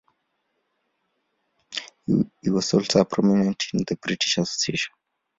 He was also prominent in the British Association.